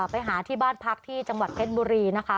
ไปหาที่บ้านพักที่จังหวัดเพชรบุรีนะคะ